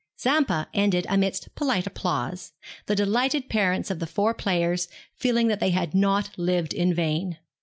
'Zampa' ended amidst polite applause, the delighted parents of the four players feeling that they had not lived in vain.